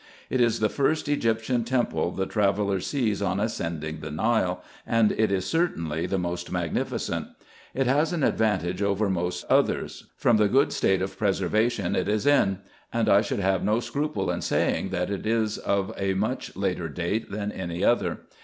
It is the first Egyptian temple the tra veller sees on ascending the Nile, and it is certainly the most magnificent. It has an advantage over most others, from the good 34 RESEARCHES AND OPERATIONS state of preservation it is in; and I should have no scruple in saying, that it is of a much later date than any other.